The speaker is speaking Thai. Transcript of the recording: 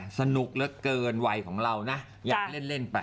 เล่นกันเข้าไปสนุกเหลือเกินวัยของเรานะอยากเล่นไป